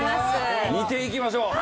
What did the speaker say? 見ていきましょう。